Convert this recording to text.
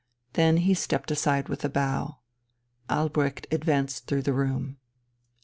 Then he stepped aside with a bow. Albrecht advanced through the room.